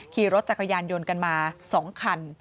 ขี่รถจักรยานยนต์กันมา๒คัน